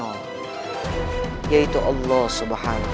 tidak ada apa apa